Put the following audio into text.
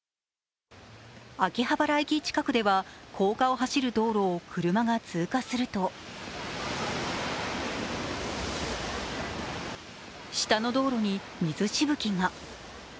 秋葉原駅近くでは高架を走る道路を車が通過すると下の道路に水しぶきが。